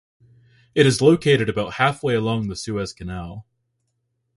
It is located about halfway along the Suez Canal.